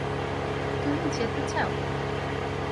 তুমি যেতে চাও?